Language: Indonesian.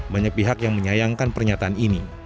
banyak pihak yang menyayangkan pernyataan ini